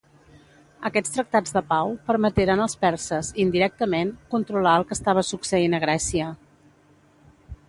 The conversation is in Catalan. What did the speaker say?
Aquests tractats de pau permeteren als perses, indirectament, controlar el que estava succeint a Grècia.